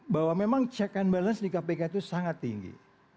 bahwa memang check and balance di kpk itu sangat tinggi